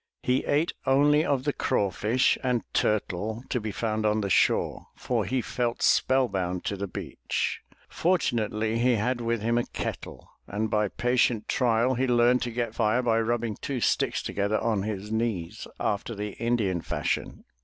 He ate only of the craw fish and turtle to be found on the shore, for he felt spell bound to the beach. For tunately he had with him a kettle, and by patient trial he learned to get fire by rubbing two sticks together on his knees, after the Indian fashion.